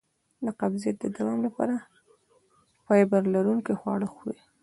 د قبضیت د دوام لپاره فایبر لرونکي خواړه وخورئ